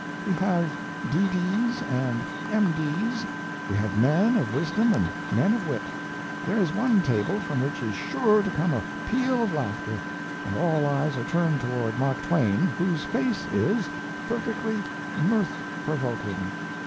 We have D.D.'s and M.D.'s we have men of wisdom and men of wit. There is one table from which is sure to come a peal of laughter, and all eyes are turned toward Mark Twain, whose face is, perfectly mirth provoking.